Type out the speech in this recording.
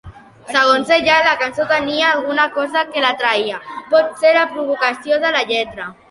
Segons ella, la cançó tenia alguna cosa que l'atreia, potser la provocació de la lletra.